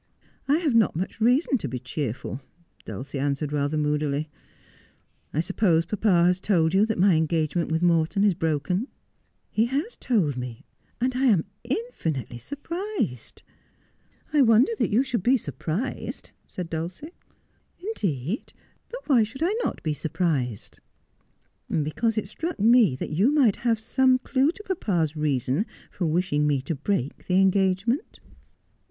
' I have not much reason to be cheerful,' Dulcie answered rather moodily. ' I suppose papa has told you that my engage ment with Morton is broken 'I ' 'He has told me, and I am infinitely surprised.' ' I wonder that you should be surprised,' said Dulcie. ' Indeed ! but why should I not be surprised 'I ' 202 Just as I Am. 'Because it struck me that you might have some clue to papa's reasons for wishing me to break the engagement.'